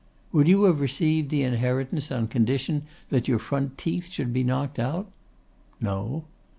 'Would you have received the inheritance on condition that your front teeth should be knocked out?' 'No.